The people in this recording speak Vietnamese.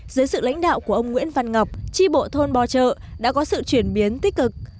dưới sự lãnh đạo của ông nguyễn văn ngọc tri bộ thôn bo trợ đã có sự chuyển biến tích cực